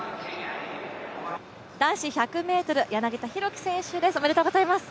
男子１００ｍ、柳田大輝選手ですおめでとうございます。